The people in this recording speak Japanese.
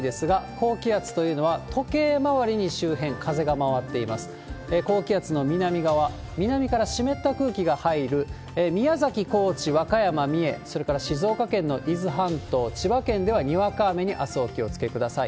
高気圧の南側、南から湿った空気が入る宮崎、高知、和歌山、三重、それから静岡県の伊豆半島、千葉県ではにわか雨に、あす、お気をつけください。